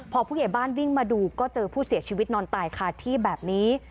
พอผู้ใหญ่บ้านวิ่งมาดูก็เจอผู้เสียชีวิตนอนตายคาที่แบบนี้